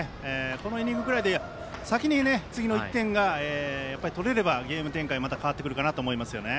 このイニングぐらいで先に次の１点が取れればゲーム展開変わってくると思いますね。